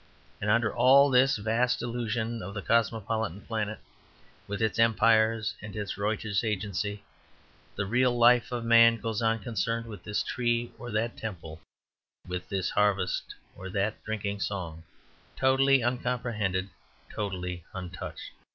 And under all this vast illusion of the cosmopolitan planet, with its empires and its Reuter's agency, the real life of man goes on concerned with this tree or that temple, with this harvest or that drinking song, totally uncomprehended, totally untouched.